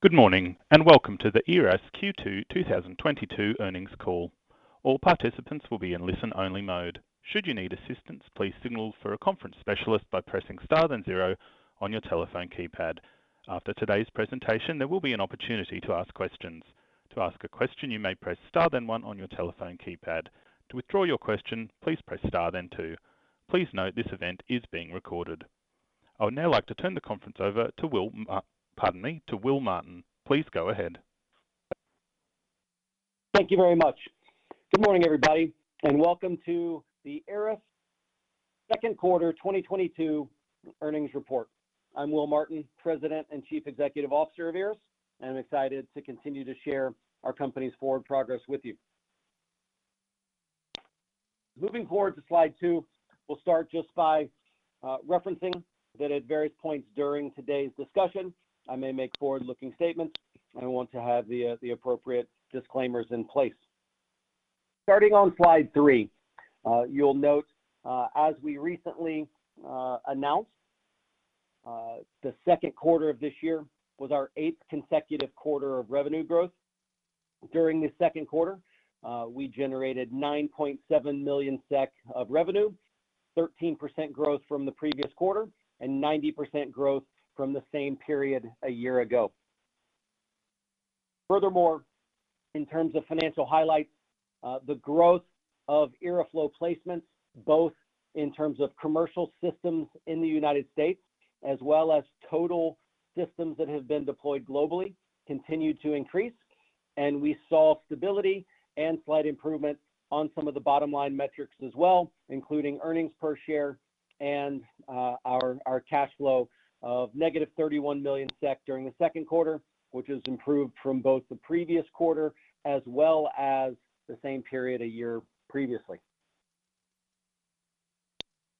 Good morning, and welcome to the IRRAS Q2 2022 earnings call. All participants will be in listen-only mode. Should you need assistance, please signal for a conference specialist by pressing star then zero on your telephone keypad. After today's presentation, there will be an opportunity to ask questions. To ask a question, you may press star then one on your telephone keypad. To withdraw your question, please press star then two. Please note this event is being recorded. I would now like to turn the conference over to Will Martin. Please go ahead. Thank you very much. Good morning, everybody, and welcome to the IRRAS Q2 2022 earnings report. I'm Will Martin, President and Chief Executive Officer of IRRAS, and I'm excited to continue to share our company's forward progress with you. Moving forward to slide two, we'll start just by referencing that at various points during today's discussion, I may make forward-looking statements. I want to have the appropriate disclaimers in place. Starting on slide three, you'll note, as we recently announced, the Q2 of this year was our eighth consecutive quarter of revenue growth. During the Q2, we generated 9.7 million SEK of revenue, 13% growth from the previous quarter, and 90% growth from the same period a year ago. Furthermore, in terms of financial highlights, the growth of IRRAflow placements, both in terms of commercial systems in the United States as well as total systems that have been deployed globally, continued to increase. We saw stability and slight improvement on some of the bottom-line metrics as well, including earnings per share and our cash flow of -31 million SEK during the Q2, which has improved from both the previous quarter as well as the same period a year previously.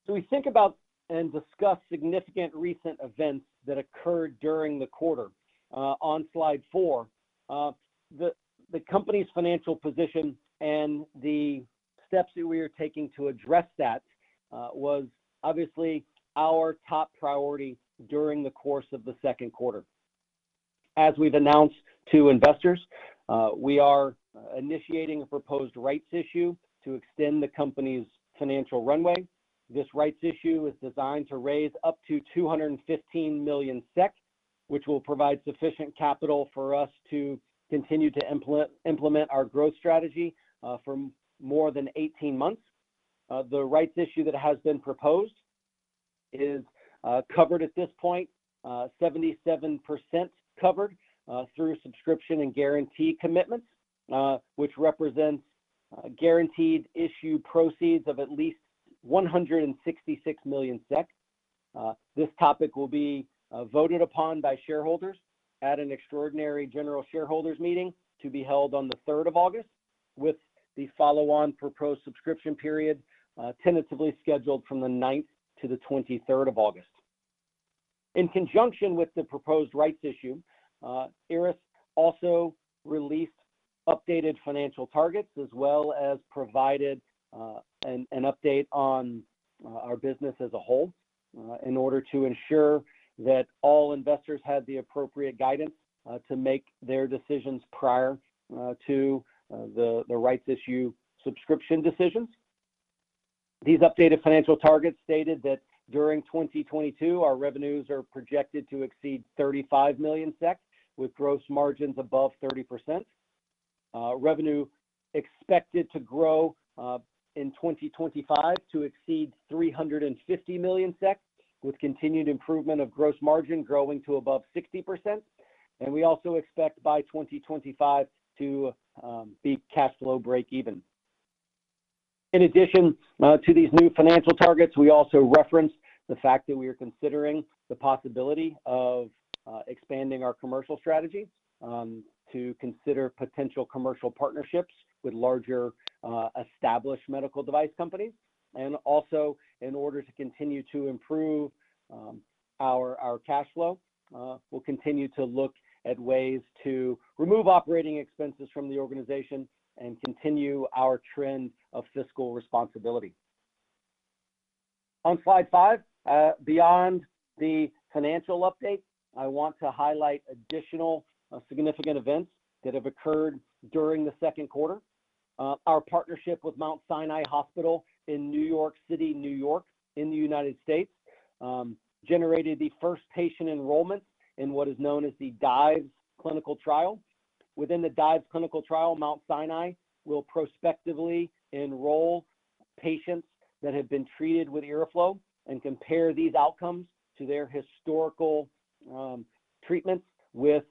We think about and discuss significant recent events that occurred during the quarter on slide four. The company's financial position and the steps that we are taking to address that was obviously our top priority during the course of the Q2. As we've announced to investors, we are initiating a proposed rights issue to extend the company's financial runway. This rights issue is designed to raise up to 215 million SEK, which will provide sufficient capital for us to continue to implement our growth strategy for more than 18 months. The rights issue that has been proposed is 77% covered at this point through subscription and guarantee commitments, which represents guaranteed issue proceeds of at least 166 million SEK. This topic will be voted upon by shareholders at an extraordinary general shareholders meeting to be held on the third of August, with the follow-on proposed subscription period tentatively scheduled from the ninth to the 23rd of August. In conjunction with the proposed rights issue, IRRAS also released updated financial targets as well as provided an update on our business as a whole, in order to ensure that all investors had the appropriate guidance to make their decisions prior to the rights issue subscription decisions. These updated financial targets stated that during 2022, our revenues are projected to exceed 35 million SEK, with gross margins above 30%. Revenue expected to grow in 2025 to exceed 350 million SEK, with continued improvement of gross margin growing to above 60%. We also expect by 2025 to be cash flow breakeven. In addition, to these new financial targets, we also referenced the fact that we are considering the possibility of, expanding our commercial strategy, to consider potential commercial partnerships with larger, established medical device companies. Also in order to continue to improve, our cash flow, we'll continue to look at ways to remove operating expenses from the organization and continue our trend of fiscal responsibility. On Slide five, beyond the financial update, I want to highlight additional, significant events that have occurred during the Q2. Our partnership with The Mount Sinai Hospital in New York City, New York, in the United States, generated the first patient enrollment in what is known as the DIVES clinical trial. Within the DIVES clinical trial, The Mount Sinai Hospital will prospectively enroll patients that have been treated with IRRAflow and compare these outcomes to their historical treatments with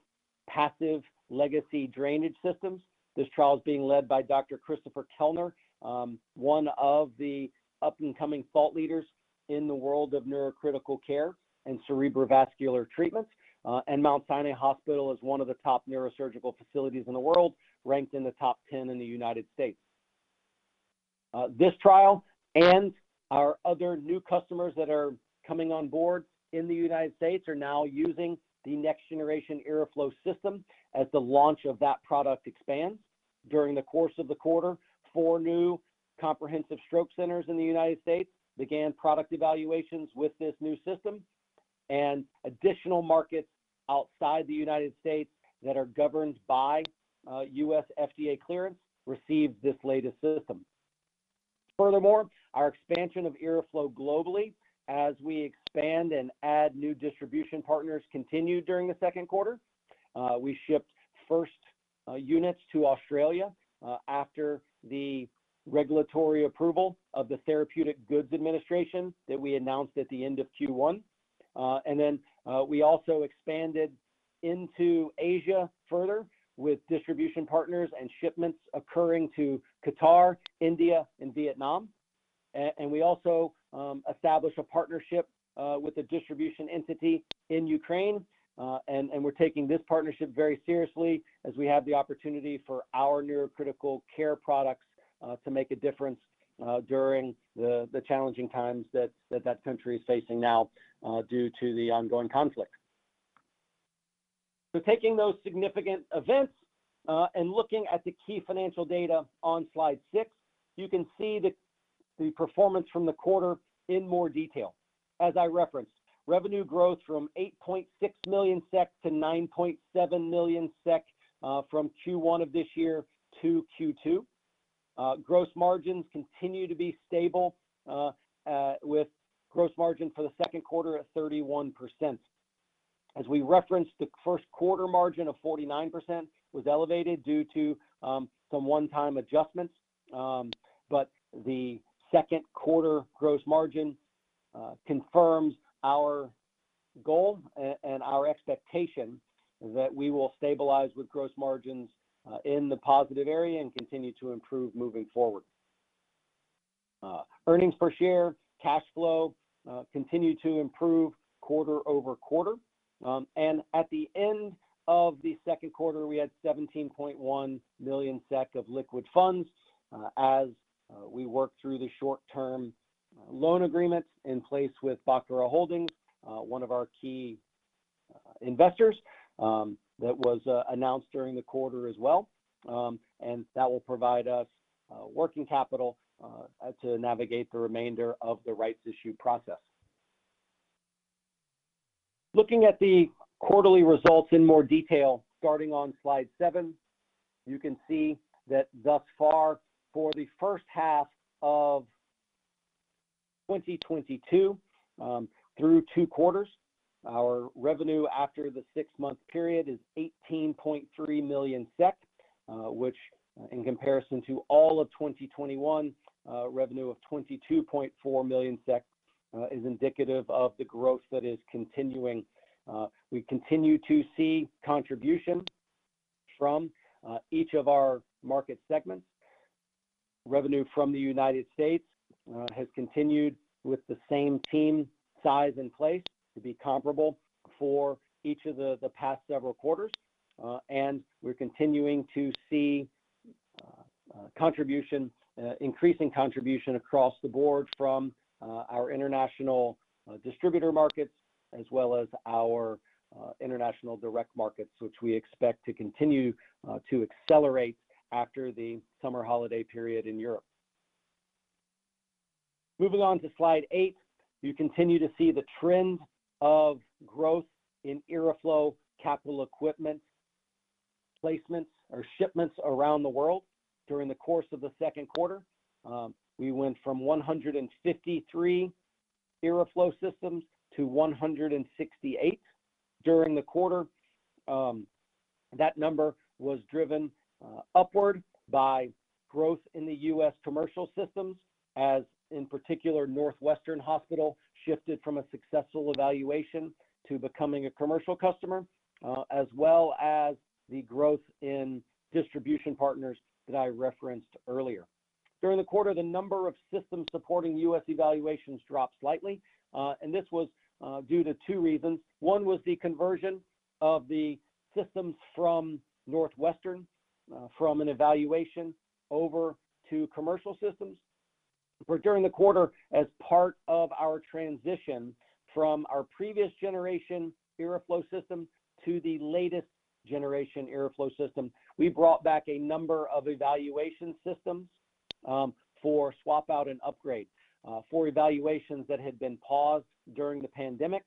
passive legacy drainage systems. This trial is being led by Dr. Christopher Kellner, one of the up-and-coming thought leaders in the world of neurocritical care and cerebrovascular treatments. The Mount Sinai Hospital is one of the top neurosurgical facilities in the world, ranked in the top 10 in the United States. This trial and our other new customers that are coming on board in the United States are now using the next-generation IRRAflow system as the launch of that product expands. During the course of the quarter, four new Comprehensive Stroke Centers in the United States began product evaluations with this new system, and additional markets outside the United States that are governed by U.S. FDA clearance received this latest system. Furthermore, our expansion of IRRAflow globally as we expand and add new distribution partners continued during the Q2. We shipped first units to Australia after the regulatory approval of the Therapeutic Goods Administration that we announced at the end of Q1. We also expanded into Asia further with distribution partners and shipments occurring to Qatar, India and Vietnam. We also established a partnership with a distribution entity in Ukraine, and we're taking this partnership very seriously as we have the opportunity for our neurocritical care products to make a difference during the challenging times that country is facing now due to the ongoing conflict. Taking those significant events and looking at the key financial data on slide six, you can see the performance from the quarter in more detail. As I referenced, revenue growth from 8.6 million-9.7 million SEK from Q1 of this year to Q2. Gross margins continue to be stable with gross margin for the Q2 at 31%. As we referenced, the Q1 margin of 49% was elevated due to some one-time adjustments. The Q2 gross margin confirms our goal and our expectation that we will stabilize with gross margins in the positive area and continue to improve moving forward. Earnings per share, cash flow continue to improve QoQ. At the end of the Q2, we had 17.1 million SEK of liquid funds as we work through the short-term loan agreements in place with Bacara Holdings, one of our key investors, that was announced during the quarter as well. That will provide us working capital to navigate the remainder of the rights issue process. Looking at the quarterly results in more detail, starting on slide seven, you can see that thus far, for the H1 of 2022, through two quarters, our revenue after the six-month period is 18.3 million SEK, which in comparison to all of 2021, revenue of 22.4 million SEK, is indicative of the growth that is continuing. We continue to see contribution from each of our market segments. Revenue from the United States has continued with the same team size in place to be comparable for each of the past several quarters. We're continuing to see increasing contribution across the board from our international distributor markets as well as our international direct markets, which we expect to continue to accelerate after the summer holiday period in Europe. Moving on to slide eight, you continue to see the trend of growth in IRRAflow capital equipment placements or shipments around the world during the course of the Q2. We went from 153 IRRAflow systems to 168 during the quarter. That number was driven upward by growth in the U.S. commercial systems as in particular, Northwestern Hospital shifted from a successful evaluation to becoming a commercial customer, as well as the growth in distribution partners that I referenced earlier. During the quarter, the number of systems supporting U.S. evaluations dropped slightly. This was due to two reasons. One was the conversion of the systems from Northwestern, from an evaluation over to commercial systems. Where during the quarter, as part of our transition from our previous generation IRRAflow system to the latest generation IRRAflow system, we brought back a number of evaluation systems, for swap out and upgrade, for evaluations that had been paused during the pandemic.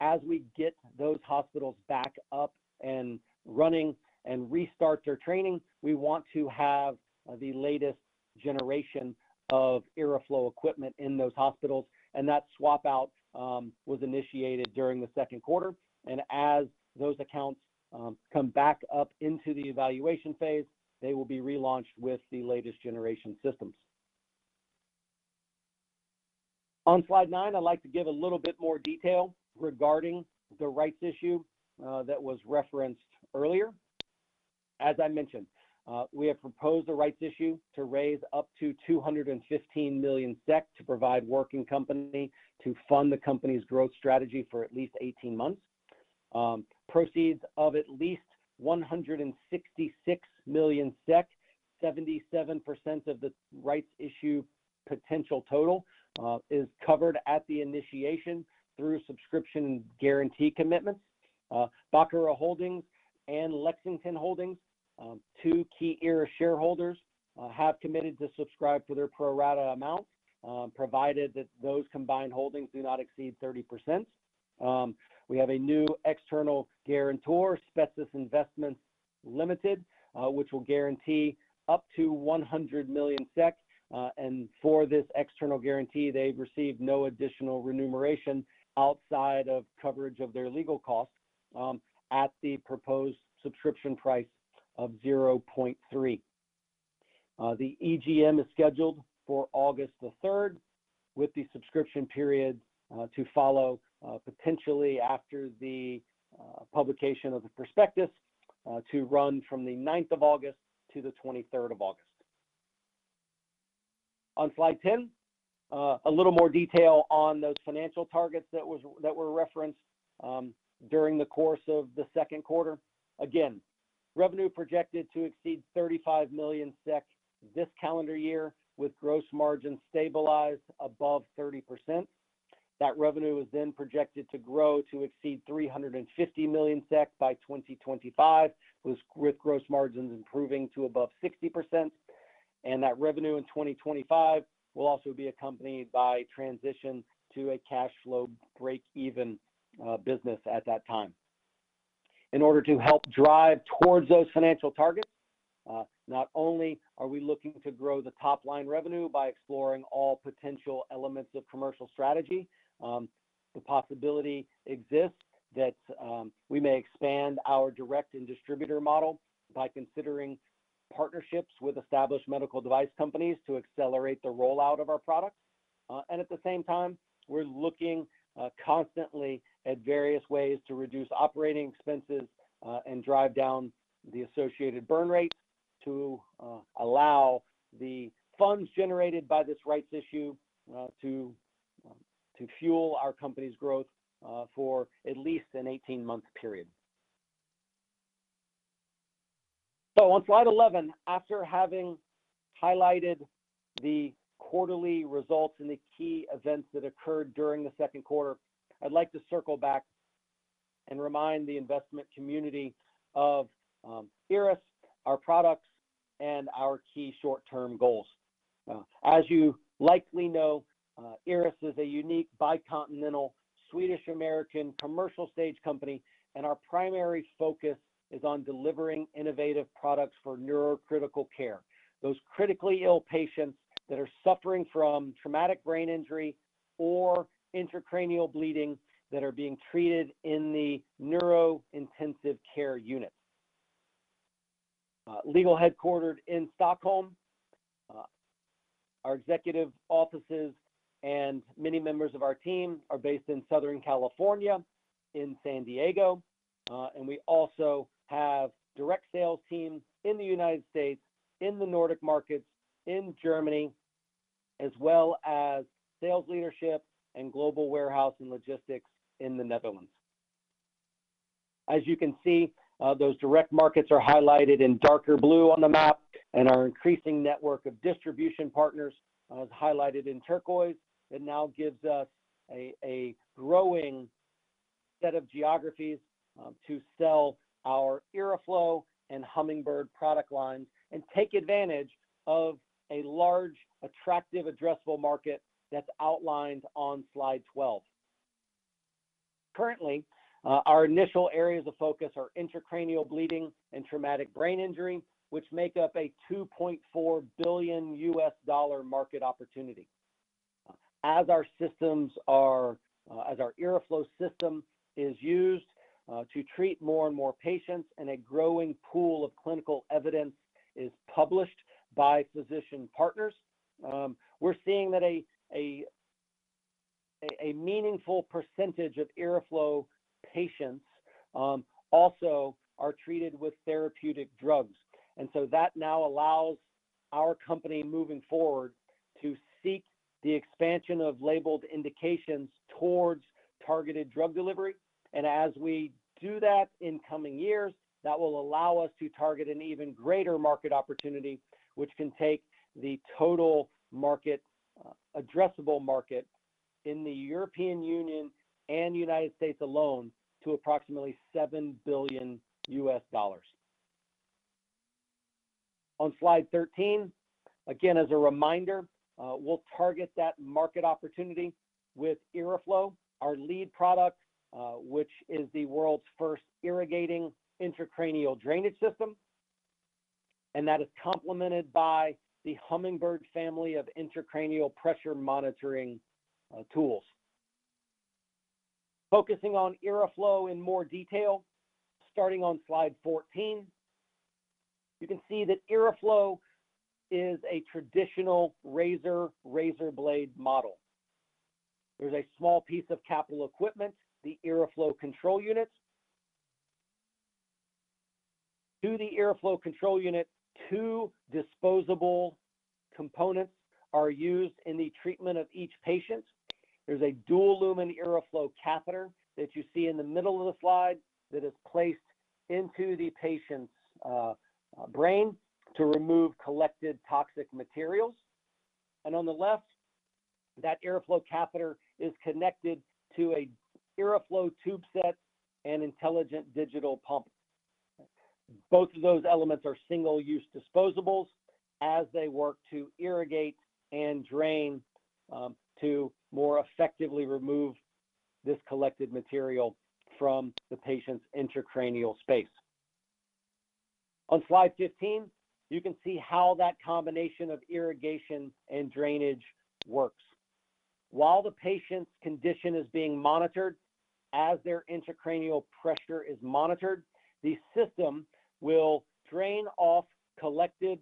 As we get those hospitals back up and running and restart their training, we want to have the latest generation of IRRAflow equipment in those hospitals, and that swap out was initiated during the Q2. As those accounts come back up into the evaluation phase, they will be relaunched with the latest generation systems. On slide nine, I'd like to give a little bit more detail regarding the rights issue that was referenced earlier. As I mentioned, we have proposed a rights issue to raise up to 215 million SEK to provide working capital to fund the company's growth strategy for at least 18 months. Proceeds of at least 166 million SEK. 77% of the rights issue potential total is covered at the initiation through subscription guarantee commitments. Bacara Holdings and Lexington Holdings, two key IRRAS shareholders, have committed to subscribe to their pro rata amount, provided that those combined holdings do not exceed 30%. We have a new external guarantor, Spetses Investments Limited, which will guarantee up to 100 million SEK. For this external guarantee, they've received no additional remuneration outside of coverage of their legal costs, at the proposed subscription price of 0.3. The EGM is scheduled for August the third, with the subscription period to follow, potentially after the publication of the prospectus, to run from the ninth of August to the 23rd of August. On slide 10, a little more detail on those financial targets that were referenced during the course of the Q2. Again, revenue projected to exceed 35 million SEK this calendar year with gross margins stabilized above 30%. That revenue is then projected to grow to exceed 350 million SEK by 2025, with gross margins improving to above 60%. That revenue in 2025 will also be accompanied by transition to a cash flow breakeven business at that time. In order to help drive towards those financial targets, not only are we looking to grow the top-line revenue by exploring all potential elements of commercial strategy, the possibility exists that we may expand our direct and distributor model by considering partnerships with established medical device companies to accelerate the rollout of our products. At the same time, we're looking constantly at various ways to reduce operating expenses and drive down the associated burn rates to allow the funds generated by this rights issue to fuel our company's growth for at least an 18-month period. On slide eleven, after having highlighted the quarterly results and the key events that occurred during the Q2, I'd like to circle back and remind the investment community of IRRAS, our products, and our key short-term goals. As you likely know, IRRAS is a unique bicontinental Swedish-American commercial stage company, and our primary focus is on delivering innovative products for neurocritical care, those critically ill patients that are suffering from traumatic brain injury or intracranial bleeding that are being treated in the neurointensive care unit. Legally headquartered in Stockholm. Our executive offices and many members of our team are based in Southern California in San Diego. We also have direct sales teams in the United States, in the Nordic markets, in Germany, as well as sales leadership and global warehouse and logistics in the Netherlands. As you can see, those direct markets are highlighted in darker blue on the map and our increasing network of distribution partners is highlighted in turquoise. It now gives us a growing set of geographies to sell our IRRAflow and Hummingbird product lines and take advantage of a large, attractive addressable market that's outlined on slide 12. Currently, our initial areas of focus are intracranial bleeding and traumatic brain injury, which make up a $2.4 billion market opportunity. As our IRRAflow system is used to treat more and more patients and a growing pool of clinical evidence is published by physician partners, we're seeing that a meaningful percentage of IRRAflow patients also are treated with therapeutic drugs. That now allows our company moving forward to seek the expansion of labeled indications towards targeted drug delivery. As we do that in coming years, that will allow us to target an even greater market opportunity, which can take the total addressable market in the European Union and United States alone to approximately $7 billion. On slide 13, again, as a reminder, we'll target that market opportunity with IRRAflow, our lead product, which is the world's first irrigating intracranial drainage system, and that is complemented by the Hummingbird family of intracranial pressure monitoring tools. Focusing on IRRAflow in more detail, starting on slide 14, you can see that IRRAflow is a traditional razor-blade model. There's a small piece of capital equipment, the IRRAflow control unit. To the IRRAflow control unit, two disposable components are used in the treatment of each patient. There's a dual-lumen IRRAflow catheter that you see in the middle of the slide that is placed into the patient's brain to remove collected toxic materials. On the left, that IRRAflow catheter is connected to a IRRAflow tube set and intelligent digital pump. Both of those elements are single-use disposables as they work to irrigate and drain to more effectively remove this collected material from the patient's intracranial space. On slide 15, you can see how that combination of irrigation and drainage works. While the patient's condition is being monitored, as their intracranial pressure is monitored, the system will drain off collected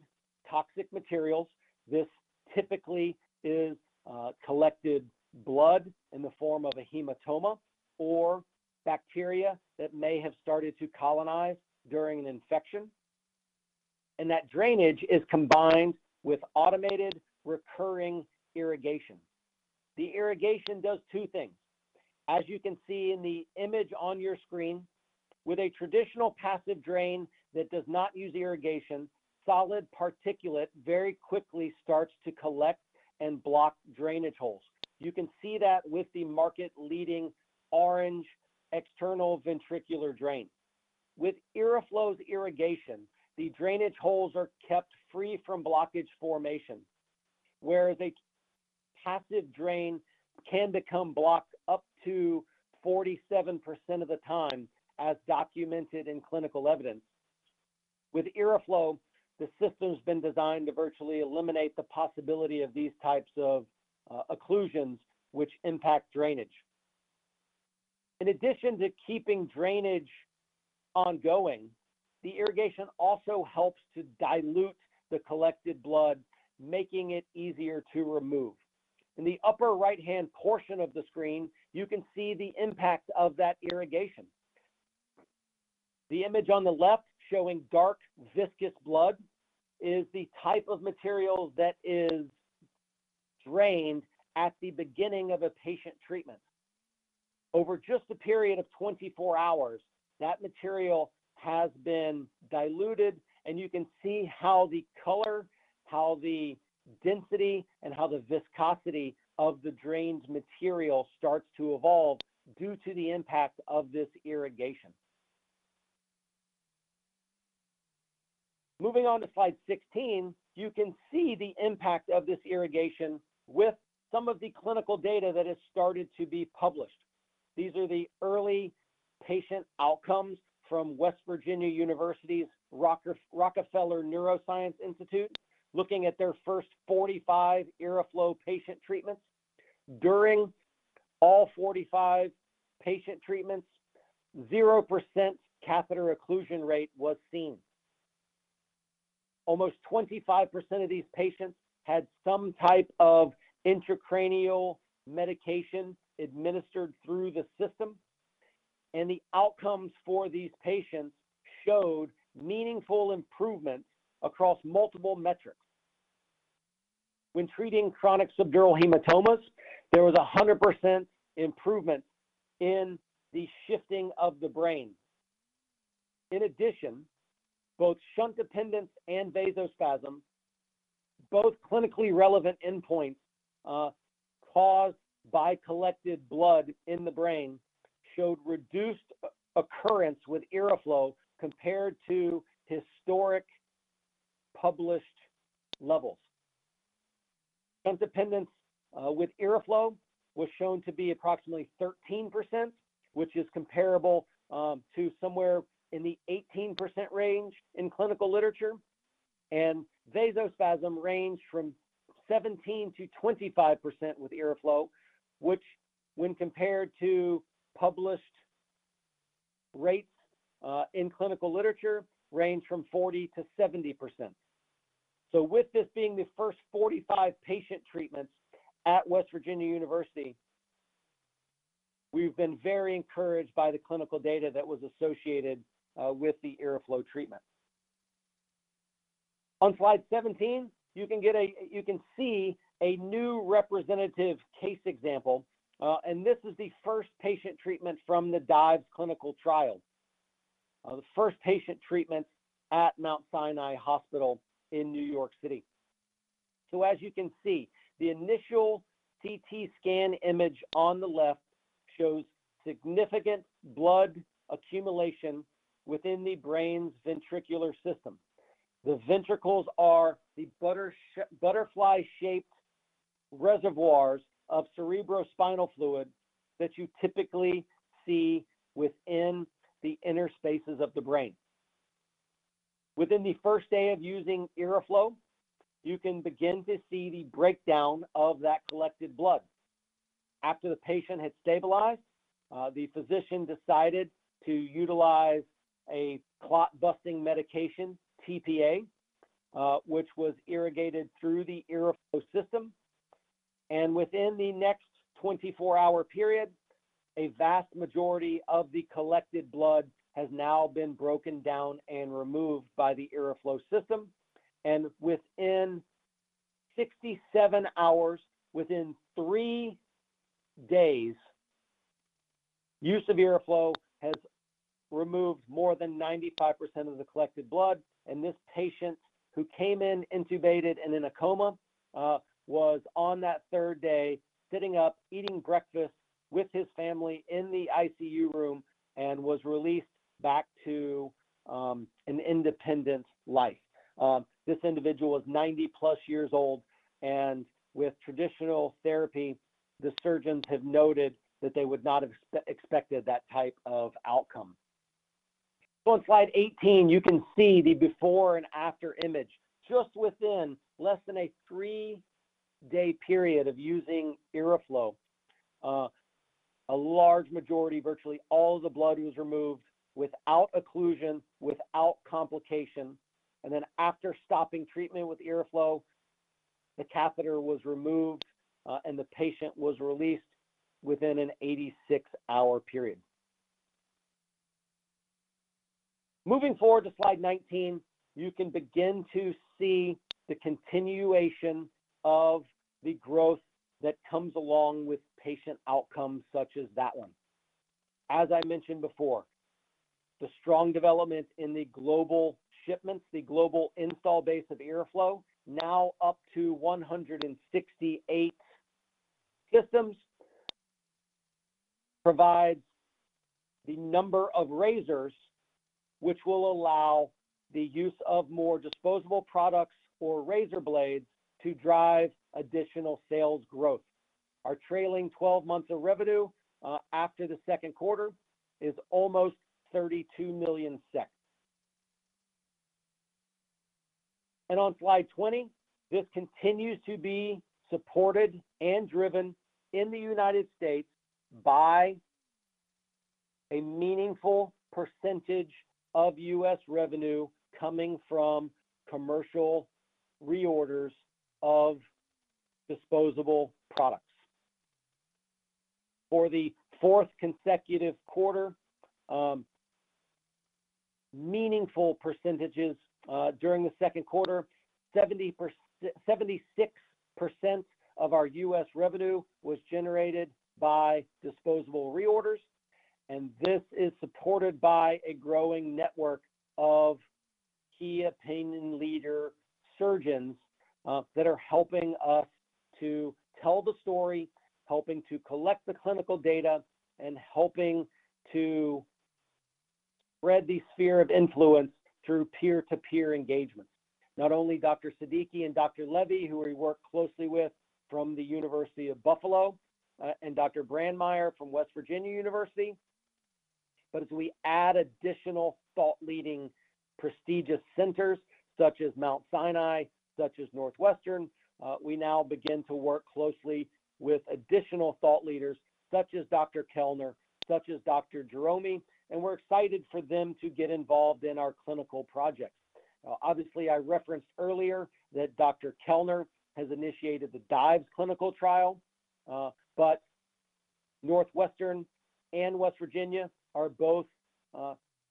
toxic materials. This typically is collected blood in the form of a hematoma or bacteria that may have started to colonize during an infection, and that drainage is combined with automated recurring irrigation. The irrigation does two things. As you can see in the image on your screen, with a traditional passive drain that does not use irrigation, solid particulate very quickly starts to collect and block drainage holes. You can see that with the market-leading orange external ventricular drain. With IRRAflow's irrigation, the drainage holes are kept free from blockage formation. Where the passive drain can become blocked up to 47% of the time as documented in clinical evidence, with IRRAflow, the system's been designed to virtually eliminate the possibility of these types of occlusions which impact drainage. In addition to keeping drainage ongoing, the irrigation also helps to dilute the collected blood, making it easier to remove. In the upper right-hand portion of the screen, you can see the impact of that irrigation. The image on the left showing dark viscous blood is the type of material that is drained at the beginning of a patient treatment. Over just a period of 24 hours, that material has been diluted, and you can see how the color, how the density, and how the viscosity of the drained material starts to evolve due to the impact of this irrigation. Moving on to slide 16, you can see the impact of this irrigation with some of the clinical data that has started to be published. These are the early patient outcomes from West Virginia University's Rockefeller Neuroscience Institute, looking at their first 45 IRRAflow patient treatments. During all 45 patient treatments, 0% catheter occlusion rate was seen. Almost 25% of these patients had some type of intracranial medication administered through the system, and the outcomes for these patients showed meaningful improvement across multiple metrics. When treating chronic subdural hematomas, there was 100% improvement in the shifting of the brain. In addition, both shunt dependence and vasospasm, both clinically relevant endpoints, caused by collected blood in the brain, showed reduced occurrence with IRRAflow compared to historic published levels. Shunt dependence with IRRAflow was shown to be approximately 13%, which is comparable to somewhere in the 18% range in clinical literature. Vasospasm ranged from 17%-25% with IRRAflow, which when compared to published rates in clinical literature, range from 40%-70%. With this being the first 45 patient treatments at West Virginia University, we've been very encouraged by the clinical data that was associated with the IRRAflow treatment. On slide 17, you can see a new representative case example, and this is the first patient treatment from the DIVES clinical trial, the first patient treatment at The Mount Sinai Hospital in New York City. As you can see, the initial CT scan image on the left shows significant blood accumulation within the brain's ventricular system. The ventricles are the butterfly-shaped reservoirs of cerebrospinal fluid that you typically see within the inner spaces of the brain. Within the first day of using IRRAflow, you can begin to see the breakdown of that collected blood. After the patient had stabilized, the physician decided to utilize a clot-busting medication, tPA, which was irrigated through the IRRAflow system. Within the next 24-hour period, a vast majority of the collected blood has now been broken down and removed by the IRRAflow system. Within 67 hours, within three days, use of IRRAflow has removed more than 95% of the collected blood. This patient who came in intubated and in a coma was on that third day sitting up, eating breakfast with his family in the ICU room and was released back to an independent life. This individual was 90+ years old, and with traditional therapy, the surgeons have noted that they would not have expected that type of outcome. On slide 18, you can see the before and after image. Just within less than a three-day period of using IRRAflow, a large majority, virtually all the blood was removed without occlusion, without complication. After stopping treatment with IRRAflow, the catheter was removed, and the patient was released within an 86-hour period. Moving forward to slide 19, you can begin to see the continuation of the growth that comes along with patient outcomes such as that one. As I mentioned before, the strong development in the global shipments, the global install base of IRRAflow, now up to 168 systems, provides the number of razors which will allow the use of more disposable products or razor blades to drive additional sales growth. Our trailing 12 months of revenue after the Q2 is almost SEK 32 million. On slide 20, this continues to be supported and driven in the United States by a meaningful percentage of U.S. revenue coming from commercial reorders of disposable products. For the fourth consecutive quarter, meaningful percentages, during the Q2, 76% of our U.S. revenue was generated by disposable reorders. This is supported by a growing network of key opinion leader surgeons, that are helping us to tell the story, helping to collect the clinical data, and helping to spread the sphere of influence through peer-to-peer engagement. Not only Dr. Siddiqui and Dr. Levy, who we work closely with from the University at Buffalo, and Dr. Brandmeier from West Virginia University, but as we add additional thought leading prestigious centers such as Mount Sinai, such as Northwestern, we now begin to work closely with additional thought leaders such as Dr. Kellner, such as Dr. Jahromi, and we're excited for them to get involved in our clinical projects. Obviously, I referenced earlier that Dr. Kellner has initiated the DIVES clinical trial, but Northwestern and West Virginia are both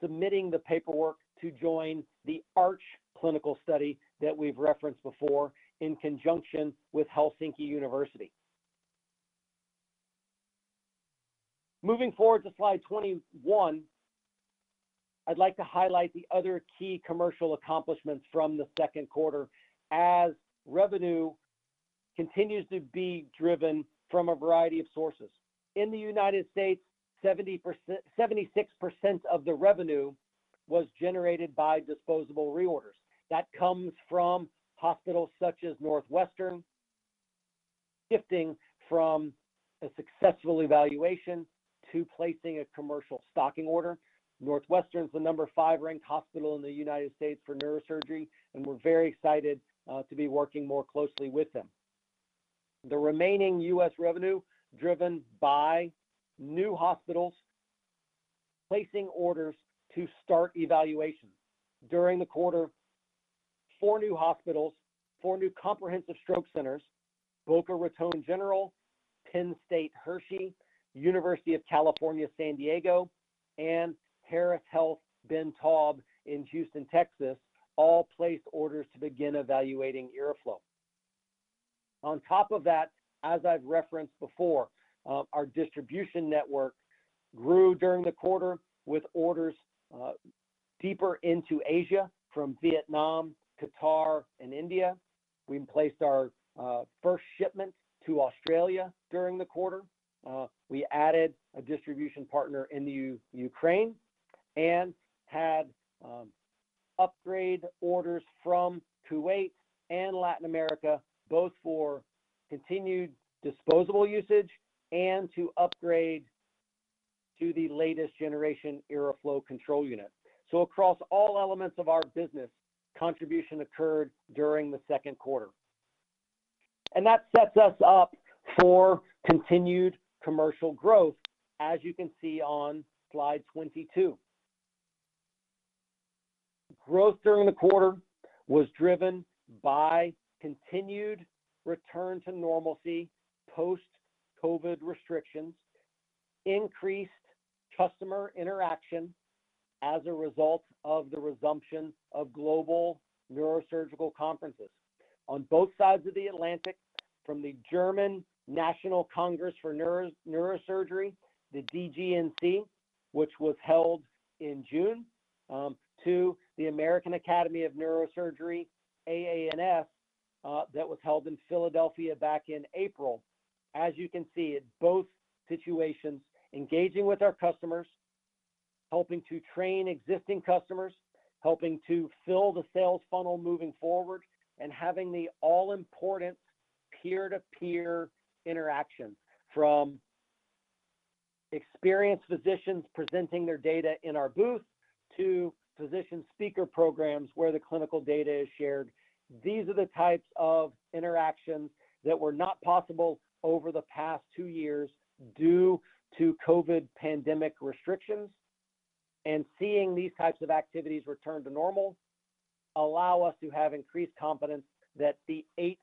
submitting the paperwork to join the ARCH clinical study that we've referenced before in conjunction with University of Helsinki. Moving forward to slide 21, I'd like to highlight the other key commercial accomplishments from the Q2 as revenue continues to be driven from a variety of sources. In the United States, 76% of the revenue was generated by disposable reorders. That comes from hospitals such as Northwestern shifting from a successful evaluation to placing a commercial stocking order. Northwestern is the number five ranked hospital in the United States for neurosurgery, and we're very excited to be working more closely with them. The remaining U.S. Revenue driven by new hospitals placing orders to start evaluations. During the quarter, four new hospitals, four new Comprehensive Stroke Centers, Boca Raton Regional Hospital, Penn State Hershey, University of California, San Diego, and Harris Health Ben Taub Hospital in Houston, Texas, all placed orders to begin evaluating IRRAflow. On top of that, as I've referenced before, our distribution network grew during the quarter with orders deeper into Asia from Vietnam, Qatar, and India. We placed our first shipment to Australia during the quarter. We added a distribution partner in Ukraine and had upgrade orders from Kuwait and Latin America, both for continued disposable usage and to upgrade to the latest generation IRRAflow control unit. Across all elements of our business, contribution occurred during the Q2. That sets us up for continued commercial growth as you can see on slide 22. Growth during the quarter was driven by continued return to normalcy post-COVID restrictions, increased customer interaction as a result of the resumption of global neurosurgical conferences on both sides of the Atlantic from the German National Congress for Neurosurgery, the DGNC, which was held in June to the American Association of Neurological Surgeons, AANS, that was held in Philadelphia back in April. As you can see, in both situations, engaging with our customers, helping to train existing customers, helping to fill the sales funnel moving forward, and having the all-important peer-to-peer interactions from experienced physicians presenting their data in our booth to physician speaker programs where the clinical data is shared. These are the types of interactions that were not possible over the past two years due to COVID pandemic restrictions. Seeing these types of activities return to normal allow us to have increased confidence that the eight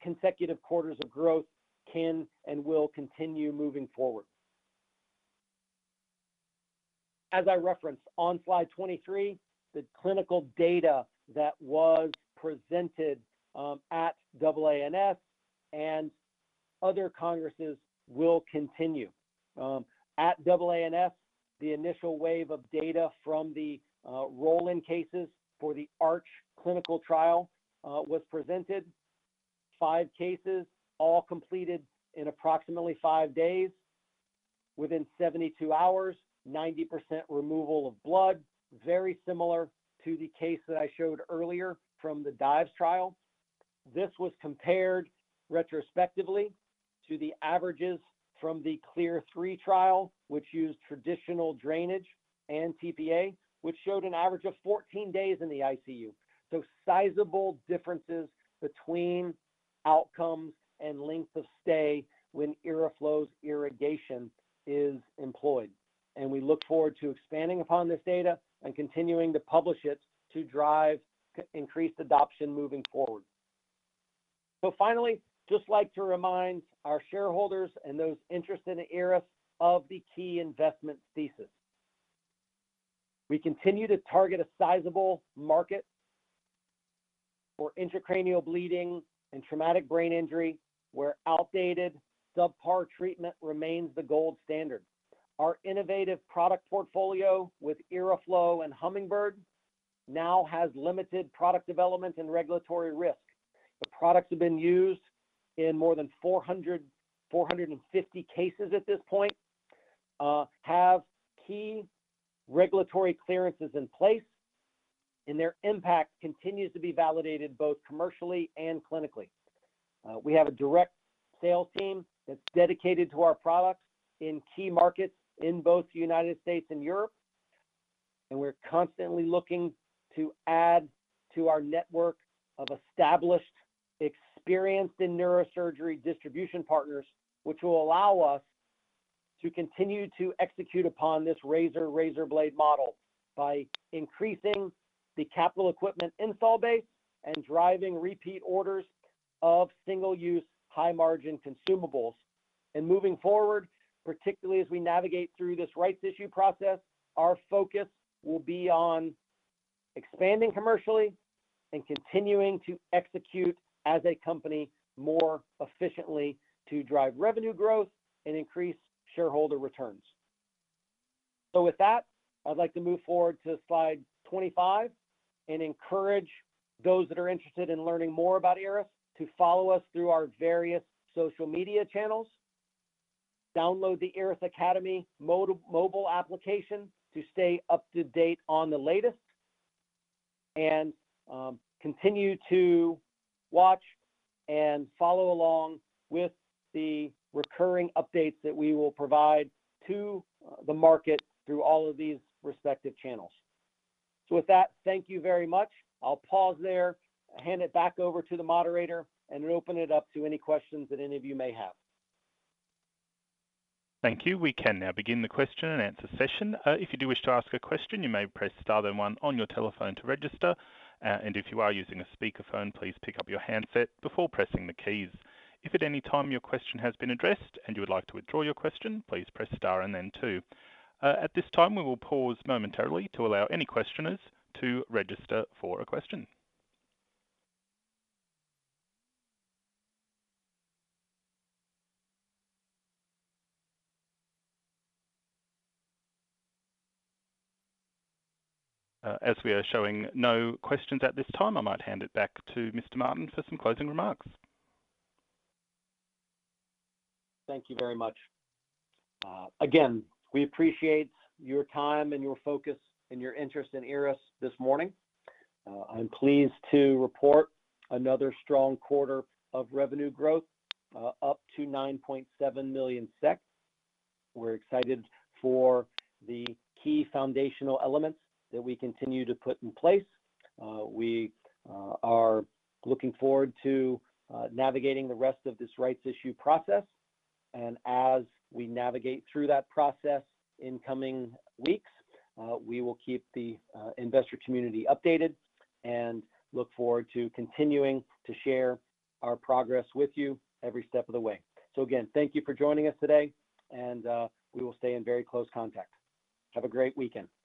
consecutive quarters of growth can and will continue moving forward. As I referenced on slide 23, the clinical data that was presented at AANS and other congresses will continue. At AANS, the initial wave of data from the roll-in cases for the ARCH clinical trial was presented. Five cases all completed in approximately five days. Within 72 hours, 90% removal of blood, very similar to the case that I showed earlier from the DIVES trial. This was compared retrospectively to the averages from the CLEAR III trial, which used traditional drainage and tPA, which showed an average of 14 days in the ICU. Sizable differences between outcomes and length of stay when IRRAflow's irrigation is employed. We look forward to expanding upon this data and continuing to publish it to drive increased adoption moving forward. Finally, just like to remind our shareholders and those interested in IRRAS of the key investment thesis. We continue to target a sizable market for intracranial bleeding and traumatic brain injury, where outdated subpar treatment remains the gold standard. Our innovative product portfolio with IRRAflow and Hummingbird now has limited product development and regulatory risk. The products have been used in more than 450 cases at this point, have key regulatory clearances in place, and their impact continues to be validated both commercially and clinically. We have a direct sales team that's dedicated to our products in key markets in both United States and Europe, and we're constantly looking to add to our network of established, experienced in neurosurgery distribution partners, which will allow us to continue to execute upon this razor-blade model by increasing the capital equipment install base and driving repeat orders of single-use, high-margin consumables. Moving forward, particularly as we navigate through this rights issue process, our focus will be on expanding commercially and continuing to execute as a company more efficiently to drive revenue growth and increase shareholder returns. With that, I'd like to move forward to slide 25 and encourage those that are interested in learning more about IRRAS to follow us through our various social media channels. Download the IRRAS Academy mobile application to stay up to date on the latest and continue to watch and follow along with the recurring updates that we will provide to the market through all of these respective channels. With that, thank you very much. I'll pause there, hand it back over to the moderator, and open it up to any questions that any of you may have. Thank you. We can now begin the question and answer session. If you do wish to ask a question, you may press star then one on your telephone to register. If you are using a speaker phone, please pick up your handset before pressing the keys. If at any time your question has been addressed and you would like to withdraw your question, please press star and then two. At this time, we will pause momentarily to allow any questioners to register for a question. As we are showing no questions at this time, I might hand it back to Mr. Martin for some closing remarks. Thank you very much. Again, we appreciate your time and your focus and your interest in IRRAS this morning. I'm pleased to report another strong quarter of revenue growth, up to 9.7 million SEK. We're excited for the key foundational elements that we continue to put in place. We are looking forward to navigating the rest of this rights issue process. As we navigate through that process in coming weeks, we will keep the investor community updated and look forward to continuing to share our progress with you every step of the way. Again, thank you for joining us today and we will stay in very close contact. Have a great weekend.